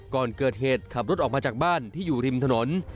ก่อนเกิดเหตุขับรถออกมาจากบ้านที่อยู่ริมถนน